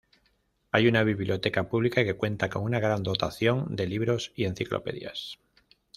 Hay una biblioteca pública que cuenta con una gran dotación de libros y enciclopedias.